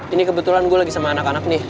ini kebetulan gue lagi sama anak anak nih